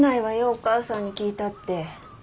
お母さんに聞いたって。